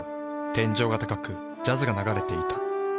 天井が高くジャズが流れていた。